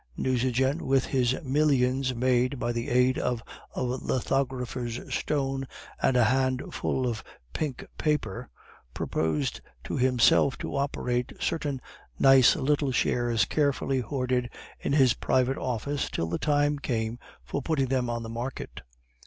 Nucingen, with his millions made by the aid of a lithographer's stone and a handful of pink paper, proposed to himself to operate certain nice little shares carefully hoarded in his private office till the time came for putting them on the market.